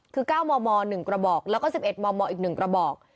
คือ๙มม๑กระบอกแล้วก็๑๑มมอีก๑กระบอก